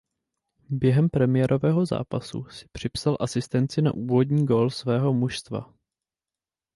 Během premiérového zápasu si připsal asistenci na úvodní gól svého mužstva.